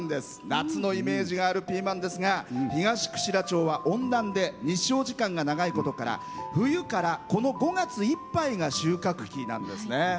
夏のイメージがあるピーマンですが東串良町は温暖で日照時間が長いことから冬からこの５月いっぱいが収穫期なんですね。